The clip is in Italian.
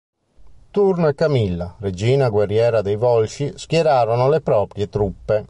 Turno e Camilla, regina guerriera dei Volsci, schierarono le proprie truppe.